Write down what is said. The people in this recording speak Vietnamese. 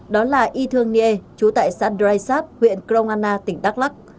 đó là y thương nghê chú tại xã drysap huyện kronana tỉnh đắk lắc